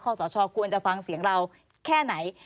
สชควรจะฟังเสียงเราแค่ไหน